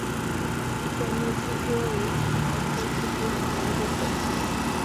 短叶赤车为荨麻科赤车属下的一个种。